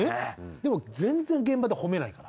でも全然現場で褒めないから。